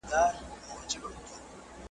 هم له وره یې د فقیر سیوری شړلی .